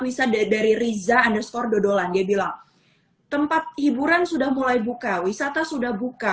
wisata dari riza underscore dodolan dia bilang tempat hiburan sudah mulai buka wisata sudah buka